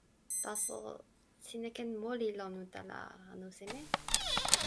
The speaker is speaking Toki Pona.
taso, sina ken moli lon utala, anu seme?